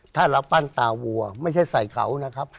ถ้าเราปั้นตาวัวไม่ใช่ใส่เขานะครับ